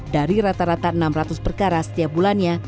dari rata rata enam ratus perkara setiap bulannya